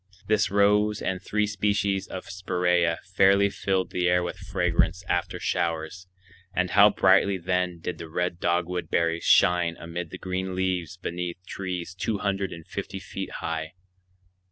This rose and three species of spiræa fairly filled the air with fragrance after showers; and how brightly then did the red dogwood berries shine amid the green leaves beneath trees two hundred and fifty feet high.